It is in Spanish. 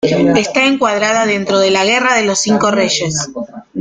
Está encuadrada dentro de la Guerra de los Cinco Reyes.